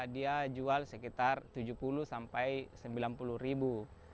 dia jual sekitar tujuh puluh sampai sembilan puluh ribu